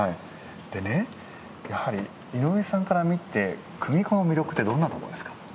でねやはり井上さんから見て組子の魅力ってどんなところですか？